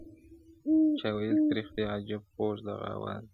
o چاویل تریخ دی عجب خوږ دغه اواز دی,